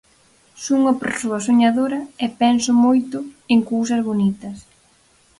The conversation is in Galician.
Son unha persoa soñadora e penso moito en cousas bonitas.